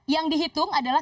yang dihitung adalah